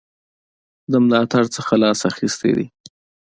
د ملاتړ څخه لاس اخیستی دی.